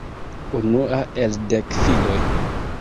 Unua el dek filoj.